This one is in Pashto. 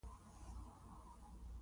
ورته مطالب